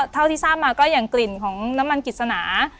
เท่าที่ทราบมาคือกลิ่นน้ำมันกริจสนา